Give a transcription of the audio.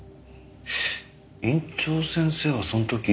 院長先生はその時。